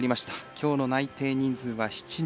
今日の内定人数は７人。